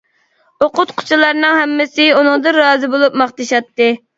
ئوقۇتقۇچىلارنىڭ ھەممىسى ئۇنىڭدىن رازى بولۇپ ماختىشاتتى.